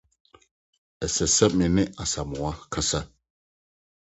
Ɛsɛ sɛ me ne Asamoa kasa.